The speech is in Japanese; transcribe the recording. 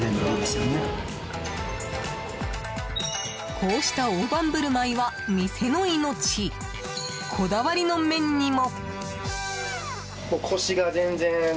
こうした大盤振る舞いは店の命、こだわりの麺にも。